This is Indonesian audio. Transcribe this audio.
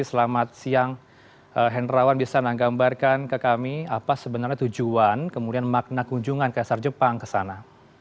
selamat siang henrawan bisa anda gambarkan ke kami apa sebenarnya tujuan kemudian makna kunjungan kaisar jepang ke sana